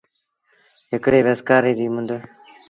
هڪڙيٚ وسڪآري ريٚ مند۔